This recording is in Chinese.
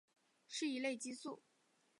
是一类激素。